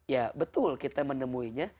ya betul kita menemuinya